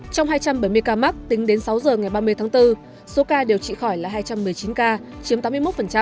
trong hai trăm bảy mươi ca mắc tính đến sáu giờ ngày ba mươi tháng bốn số ca điều trị khỏi là hai trăm một mươi chín ca chiếm tám mươi một